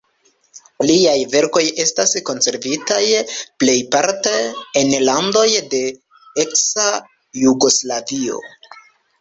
Liaj verkoj estas konservitaj plejparte en landoj de eksa Jugoslavio.